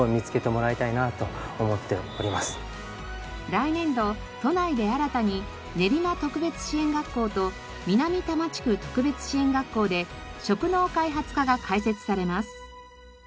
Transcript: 来年度都内で新たに練馬特別支援学校と南多摩地区特別支援学校で職能開発科が開設されます。